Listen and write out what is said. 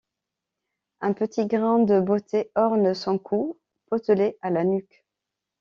Un petit grain de beauté orne son cou potelé, — à la nuque.